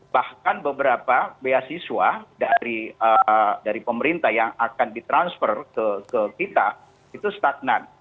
bahkan beberapa beasiswa dari pemerintah yang akan ditransfer ke kita itu stagnan